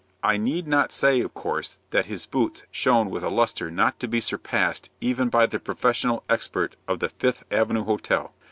I need not say, of course, that his boots shone with a lustre not to be surpassed even by the professional expert of the Fifth Avenue Hotel.